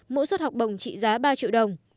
mỗi suốt học bồng trị giá ba triệu đồng